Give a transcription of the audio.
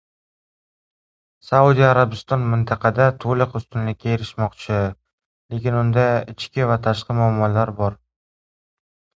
Saudiya Arabiston mintaqada to‘liq ustunlikka erishmoqchi, lekin unda ichki va tashqi muammolar bor.